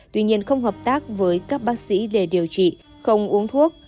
tuy nhiên không hợp tác với các bác sĩ để điều trị không uống thuốc